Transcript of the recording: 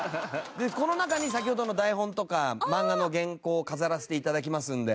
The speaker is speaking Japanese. でこの中に先ほどの台本とか漫画の原稿を飾らせて頂きますので。